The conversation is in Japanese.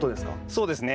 そうですね。